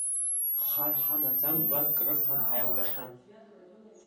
Хар ҳамаӡамкәа, крыфан ҳаилгахьан…